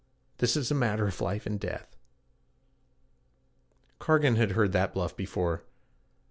'This is a matter of life and death.' Cargan had heard that bluff before.